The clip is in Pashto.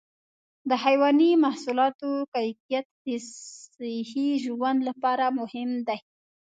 د حيواني محصولاتو کیفیت د صحي ژوند لپاره مهم دی.